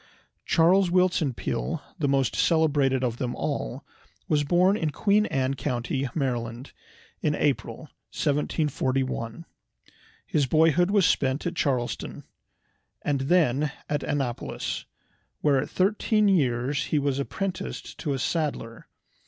Charles Willson Peale, the most celebrated of them all, was born in Queen Anne County, Maryland, in April, 1741. His boyhood was spent at Chestertown, and then at Annapolis, where at thirteen years he was apprenticed to a saddler.